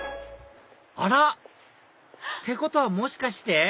あら！ってことはもしかして？